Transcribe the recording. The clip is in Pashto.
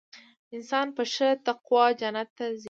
انسان په ښه تقوا جنت ته ځي .